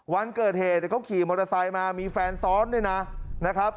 วันเกิดเหตุเขาขี่มอเตอร์ไซค์มามีแฟนซ้อนด้วยนะครับ